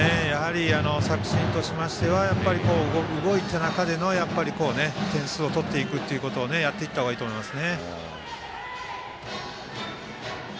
作新としましては動いた中での点数を取っていくっていうことをやっていった方がいいと思います。